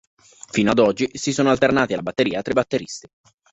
Fino ad oggi si sono alternati alla batteria tre batteristi.